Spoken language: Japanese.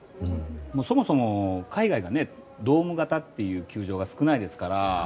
そもそも海外はドーム型の球場が少ないですから。